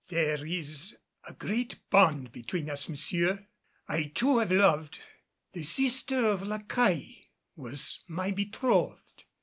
"There is a great bond between us, monsieur; I too have loved the sister of La Caille was my betrothed.